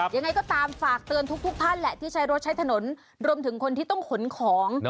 ยังไงก็ตามฝากเตือนทุกท่านแหละที่ใช้รถใช้ถนนรวมถึงคนที่ต้องขนของ